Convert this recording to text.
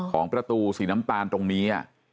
ของประตูสีน้ำตาลตรงนี้